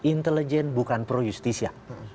intelijen bukan pro justisia